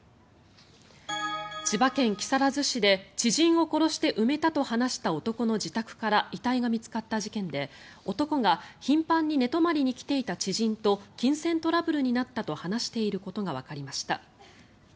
千葉県木更津市で知人を殺して埋めたと話した男の自宅から遺体が見つかった事件で男が頻繁に寝泊まりに来ていた知人と金銭トラブルになったと話していることがわかりました。